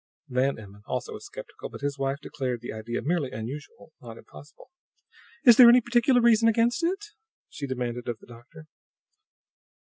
Van Emmon also was skeptical, but his wife declared the idea merely unusual, not impossible. "Is there any particular reason against it?" she demanded of the doctor.